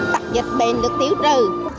tạc dịch bền được tiêu trừ